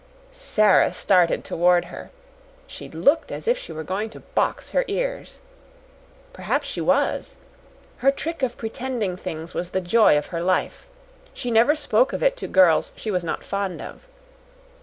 Sara started toward her. She looked as if she were going to box her ears. Perhaps she was. Her trick of pretending things was the joy of her life. She never spoke of it to girls she was not fond of.